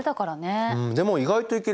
あっでも意外といけるね。